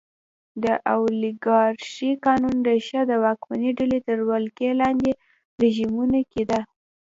د اولیګارشۍ قانون ریښه د واکمنې ډلې تر ولکې لاندې رژیمونو کې ده.